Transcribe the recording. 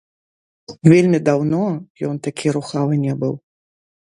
Вельмі даўно ён такі рухавы не быў.